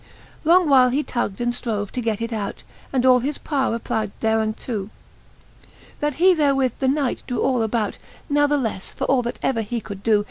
XXII. Long while he tug'd and ftrove, to get it out, And all his powre applyed thereunto, That he therewith the knight drew all about : Kathleflc, for all that ever he could doe.